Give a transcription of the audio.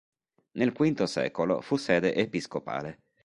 Nel V secolo fu sede episcopale.